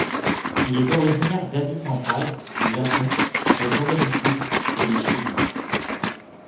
Il est originaire d'Asie centrale, du Japon, de Corée du Sud et de Chine.